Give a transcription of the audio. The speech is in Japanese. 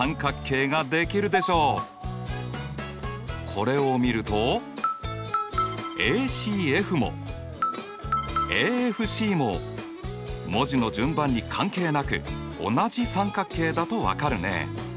これを見るとＡＣＦもＡＦＣも文字の順番に関係なく同じ三角形だと分かるね。